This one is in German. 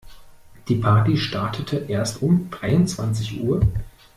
Die Party startete erst um dreiundzwanzig Uhr?